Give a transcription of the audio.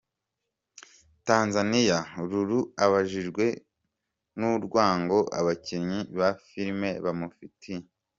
Tanzaniya ruru ababajwe n’urwango abakinnyi ba filime bamufitiye